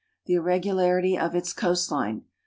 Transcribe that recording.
The irregularity of its coastline.